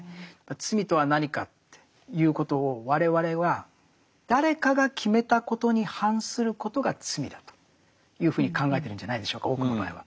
罪とは何かっていうことを我々は誰かが決めたことに反することが罪だというふうに考えてるんじゃないでしょうか多くの場合は。